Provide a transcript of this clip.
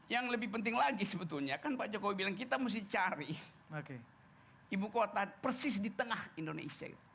yang lebih penting lagi sebetulnya kan pak jokowi bilang kita mesti cari ibu kota persis di tengah indonesia